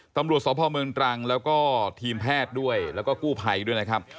ตำรวจสพเมืองตรังแล้วก็ทีมแพทย์ด้วยแล้วก็กู้ภัยด้วยนะครับ